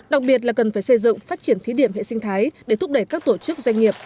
đặc biệt là cần phải xây dựng phát triển thí điểm hệ sinh thái để thúc đẩy các tổ chức doanh nghiệp